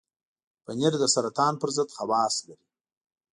پنېر د سرطان پر ضد خواص لري.